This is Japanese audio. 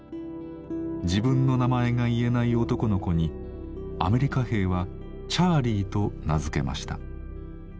自分の名前が言えない男の子にアメリカ兵はチャーリーと名付けました。